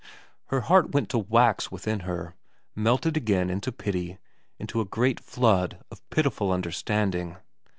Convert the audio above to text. Her heart went to wax within her, melted again into pity, into a great flood of pitiful understanding.